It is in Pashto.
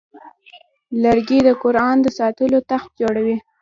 لرګی د قرآن د ساتلو تخت جوړوي.